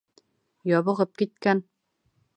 Ябығып киткән!